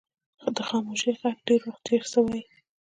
د خاموشۍ ږغ ډېر وخت ډیر څه وایي.